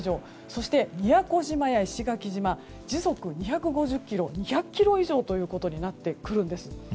そして、宮古島や石垣島時速２５０キロや２００キロ以上ということになってくるんです。